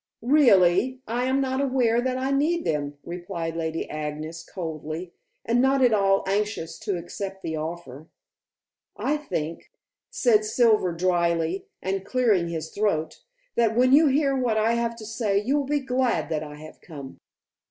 "Really, I am not aware that I need them," replied Lady Agnes coldly, and not at all anxious to accept the offer. "I think," said Silver dryly, and clearing his throat, "that when you hear what I have to say you will be glad that I have come."